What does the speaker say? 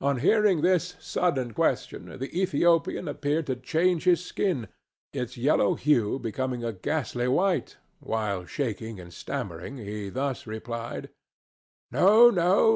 On hearing this sudden question the Ethiopian appeared to change his skin, its yellow hue becoming a ghastly white, while, shaking and stammering, he thus replied: "No, no!